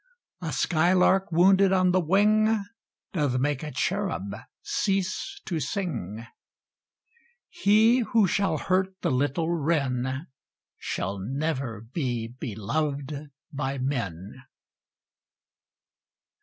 A skylark wounded on the wing Doth make a cherub cease to sing. He who shall hurt the little wren Shall never be beloved by men.